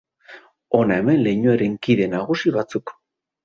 Hona hemen leinuaren kide nagusi batzuk.